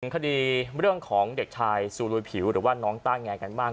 คดีเรื่องของเด็กชายซูลุยผิวหรือว่าน้องต้าแงกันมาก